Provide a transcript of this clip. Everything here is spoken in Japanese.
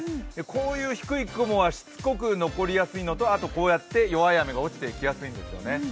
こういう低い雲はしつこく残りやすいのと、あとこうやって弱い雨が落ちていきやすいんですよね。